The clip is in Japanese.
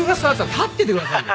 立っててくださいよ！